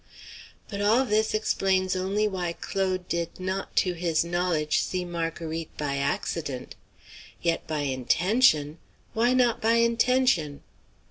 But all this explains only why Claude did not, to his knowledge, see Marguerite by accident. Yet by intention! Why not by intention?